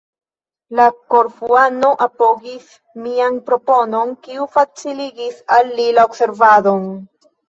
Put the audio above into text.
La Korfuano apogis mian proponon, kiu faciligis al li la observadon.